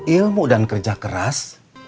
ilmu dan kerja keras